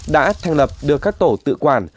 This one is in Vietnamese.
đã thành lập được các tổ tự quản